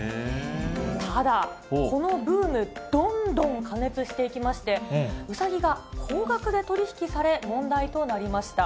ただ、このブーム、どんどん過熱していきまして、うさぎが高額で取り引きされ、問題となりました。